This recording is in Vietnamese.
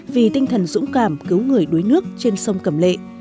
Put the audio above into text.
vì tinh thần dũng cảm cứu người đuối nước trên sông cầm lệ